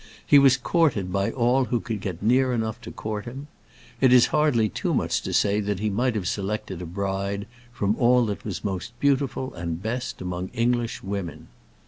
He was courted by all who could get near enough to court him. It is hardly too much to say that he might have selected a bride from all that was most beautiful and best among English women.